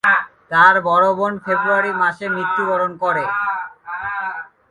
তার বড় বোন ফেব্রুয়ারি মাসে মৃত্যুবরণ করে।